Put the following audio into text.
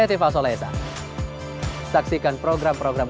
kasih tahu kalau sudah apa apa